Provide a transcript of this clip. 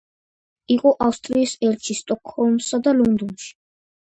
იყო ავსტრიის ელჩი სტოკჰოლმსა და ლონდონში.